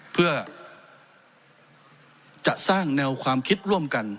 เพื่อจะสร้างแนวความคิดร่วมกัน